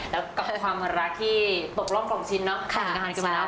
แล้วก็ความรักที่ปกร่องกล่องชิ้นเนอะทางการคุณภาพ